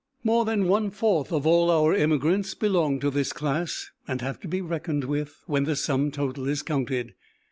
More than one fourth of all our immigrants belong to this class and have to be reckoned with when the sum total is counted.